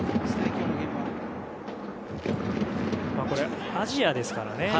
これ、アジアですからね。